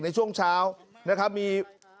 ในช่วงเช้านะครับมี